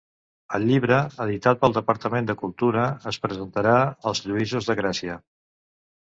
El llibre, editat pel Departament de Cultura, es presentarà als Lluïsos de Gràcia.